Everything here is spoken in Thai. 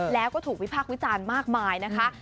แล้วก็ถูกวิพากษ์วิจารณ์มากมายนะคะ